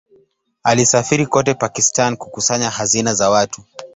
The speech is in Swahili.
Alisafiri kote Pakistan kukusanya hazina za watu.